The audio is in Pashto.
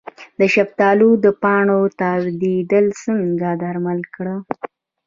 د شفتالو د پاڼو تاویدل څنګه درمل کړم؟